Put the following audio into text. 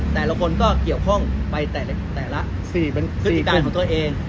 แต่ละคนก็เกี่ยวข้องไปแต่ละพฤติการของตัวเอง